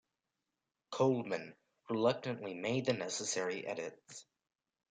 Coleman reluctantly made the necessary edits.